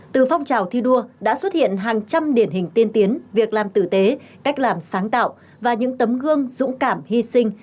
từ phong trào thi đua đã xuất hiện hàng trăm điển hình tiên tiến việc làm tử tế cách làm sáng tạo và những tấm gương dũng cảm hy sinh